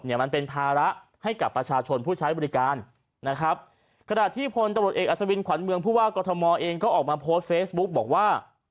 มันเป็นภาระให้กับประชาชนผู้ใช้บริการนะครับขณะที่พลตำรวจเอกอัศวินขวัญเมืองผู้ว่ากรทมเองก็ออกมาโพสต์เฟซบุ๊กบอกว่า